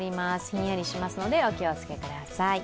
ひんやりしますのでお気を付けください。